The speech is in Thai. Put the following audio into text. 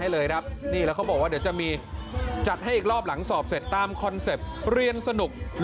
อยากจะมอบความสุขให้พอบอนบอกว่าก่อนอันนี้เด็กช่วยเหลือกิจกรรมของโรงเรียนมันหนักหน่วง